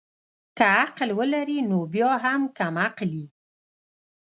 که عقل ولري نو بيا هم کم عقل يي